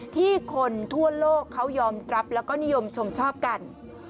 ที่คนทั่วโลกเขายอมรับแล้วก็นิยมชมชอบกัน